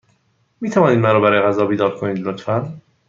می توانید مرا برای غذا بیدار کنید، لطفا؟